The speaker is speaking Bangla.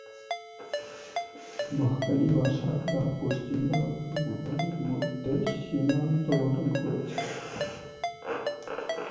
মহাকালী বা সারদা পশ্চিম ভারত ও নেপালের মধ্যে সীমান্ত গঠন করেছে।